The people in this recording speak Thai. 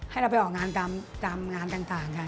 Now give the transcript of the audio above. ให้เราไปออกงานตามงานต่างค่ะ